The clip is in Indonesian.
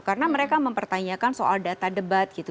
karena mereka mempertanyakan soal data debat gitu